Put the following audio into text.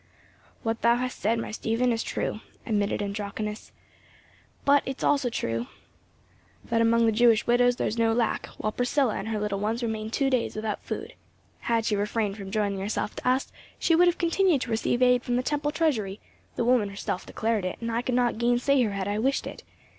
"What thou hast said, my Stephen, is true," admitted Andronicus. "But it is also true that among the Jewish widows there is no lack, while Priscilla and her little ones remained two days without food. Had she refrained from joining herself to us, she would have continued to receive aid from the Temple treasury; the woman herself declared it, and I could not gainsay her had I wished it.